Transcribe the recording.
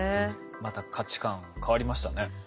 また価値観変わりましたね。